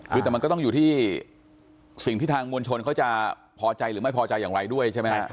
คือแต่มันก็ต้องอยู่ที่สิ่งที่ทางมวลชนเขาจะพอใจหรือไม่พอใจอย่างไรด้วยใช่ไหมฮะ